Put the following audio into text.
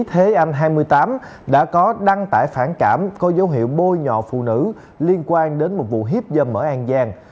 thế anh hai mươi tám đã có đăng tải phản cảm có dấu hiệu bôi nhọ phụ nữ liên quan đến một vụ hiếp dâm ở an giang